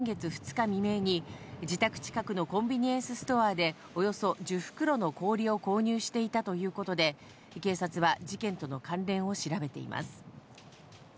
また父親の修容疑者は、犯行後の先月２日未明に、自宅近くのコンビニエンスストアでおよそ１０袋の氷を購入していたということで、警察は事件との関連を調べています。